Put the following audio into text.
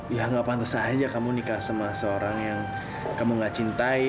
ya nggak pantas aja kamu nikah sama seorang yang kamu nggak cintai